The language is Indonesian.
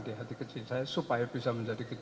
di hati kecil saya supaya bisa menjadi